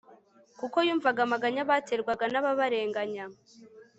kuko yumvaga amaganya baterwaga n'ababarenganya